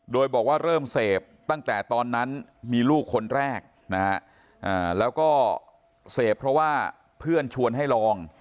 โดยบอกว่าเริ่มเสพตั้งแต่ตอนนั้นมีลูกคนแรกนะฮะแล้วก็เสพเพราะว่าเพื่อนชวนให้ลอง